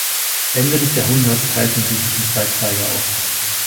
Ende des Jahrhunderts teilten sie sich in zwei Zweige auf.